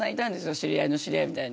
知り合いの知り合いみたいな。